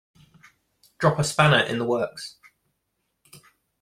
Drop a spanner in the works